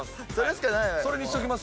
それにしときます？